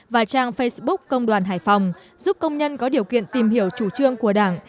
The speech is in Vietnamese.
và trang facebook công đoàn hải phòng giúp công nhân có điều kiện tìm hiểu chủ trương của đảng